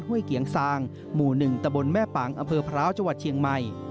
ห้วยเกียงซางหมู่๑ตะบลแม่ปังอพร้าวจเชียงใหม่